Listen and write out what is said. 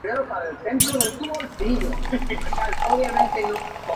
Trabajará en la India durante cuatro años y llega hasta el centro del Himalaya.